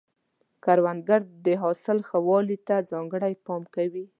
کروندګر د حاصل ښه والي ته ځانګړی پام کوي